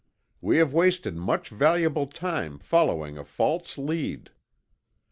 We have wasted much valuable time following a false lead.